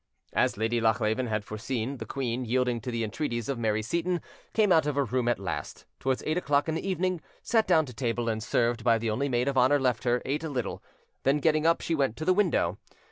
As Lady Lochleven had foreseen, the queen, yielding to the entreaties of Mary Seyton, came out of her room at last, towards eight o'clock in the evening, sat down to table, and, served by the only maid of honour left her, ate a little; then, getting up, she went to the window.